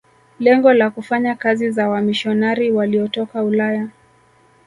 Lengo la kufanya kazi za wamisionari waliotoka Ulaya